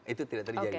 itu tidak terjadi